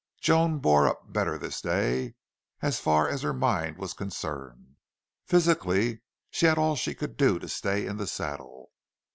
Joan bore up better this day, as far as her mind was concerned. Physically she had all she could do to stay in the saddle.